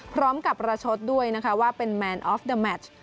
พร้อมกับประชดด้วยนะคะว่าเป็นแมนออฟเดอร์แมช